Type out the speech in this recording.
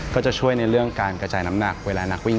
ก็จะช่วยในเรื่องการกระจายน้ำหนักเวลานักวิ่ง